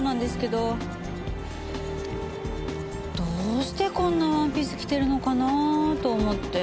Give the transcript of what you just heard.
どうしてこんなワンピース着てるのかなあと思って。